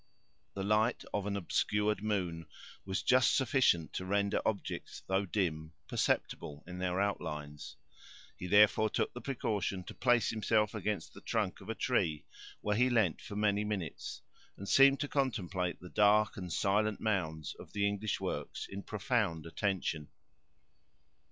The light of an obscure moon was just sufficient to render objects, though dim, perceptible in their outlines. He, therefore, took the precaution to place himself against the trunk of a tree, where he leaned for many minutes, and seemed to contemplate the dark and silent mounds of the English works in profound attention.